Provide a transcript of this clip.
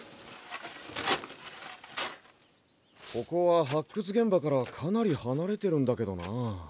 ここは発掘現場からかなりはなれてるんだけどなあ。